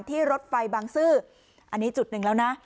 รถไฟบางซื่ออันนี้จุดหนึ่งแล้วนะ